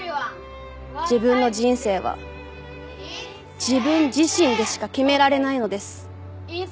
自分の人生は自分自身でしか決められないのです。